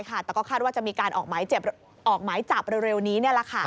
แต่ก็คาดว่าจะมีการออกหมายจับเร็วนี้